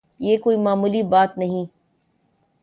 اور یہ کوئی معمولی بات نہیں۔